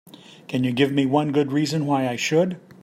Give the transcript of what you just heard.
Can you give me one good reason why I should?